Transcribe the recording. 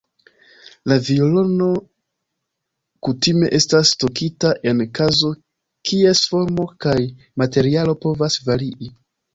La violono kutime estas stokita en kazo kies formo kaj materialo povas varii.